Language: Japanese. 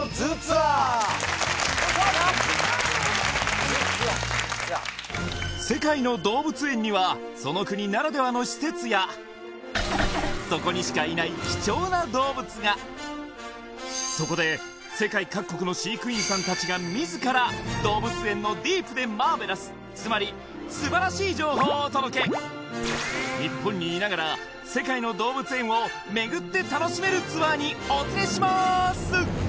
マーベラス世界の動物園にはその国ならではの施設やそこにしかいない貴重な動物がそこで世界各国の飼育員さんたちが自ら動物園のディープでマーベラスつまり素晴らしい情報をお届け日本にいながら海外の動物園を巡って楽しめるツアーにお連れしまーす！